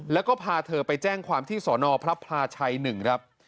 แล้วก็พาเธอไปแจ้งความที่สอนอพระพลาชัย๑ครับ